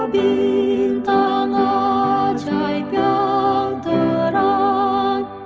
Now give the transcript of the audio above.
bintang ajaib yang terang